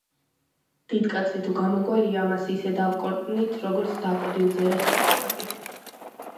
დიდკაცი თუ გამოგვერია, მას ისე დავკორტნით, როგორც დაკოდილ ძერას ყვავები.